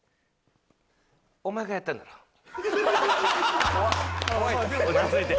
お前がやったんだろ？